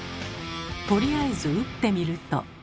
とりあえず打ってみると。